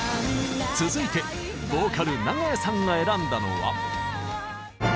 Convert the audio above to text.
続いてヴォーカル長屋さんが選んだのは。